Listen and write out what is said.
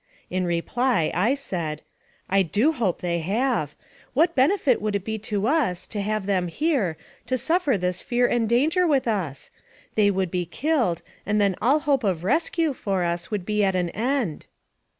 In reply, I said, "I do hope they have. What benefit would it be to us, to have them here, to suffer 38 NABRAT1VE OP CAPTIVITY this fear and danger with us? They would be killed, and then all hope of rescue for us would be at an end."